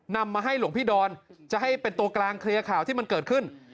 นำมาให้หลวงพี่ดอนจะให้เป็นตัวกลางเคลียร์ข่าวที่มันเกิดขึ้น